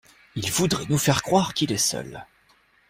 Il voudrait nous faire croire qu’il est seul.